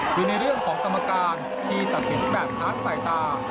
คือในเรื่องของกรรมการที่ตัดสินแบบค้านสายตา